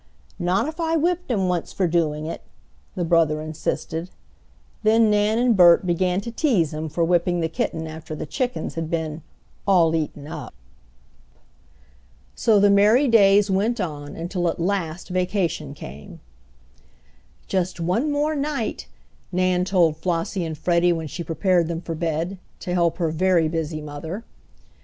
"Not if I whipped him once for doing it," the brother insisted. Then Nan and Bert began to tease him for whipping the kitten after the chickens had been "all eaten up." So the merry days went on until at last vacation came! "Just one more night," Nan told Flossie and Freddie when she prepared them for bed, to help her very busy mother.